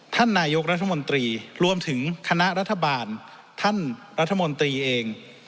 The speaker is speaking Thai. ท่านนายกรัฐมนตรีรวมถึงคณะรัฐบาลท่านรัฐมนตรีเอง